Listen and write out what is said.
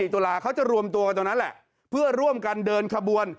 ตุลาเขาจะรวมตัวกันตรงนั้นแหละเพื่อร่วมกันเดินขบวน